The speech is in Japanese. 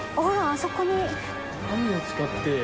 あそこに。